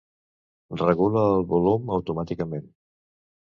Regula el volum automàticament.